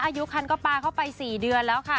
อายุคันก็ปลาเข้าไป๔เดือนแล้วค่ะ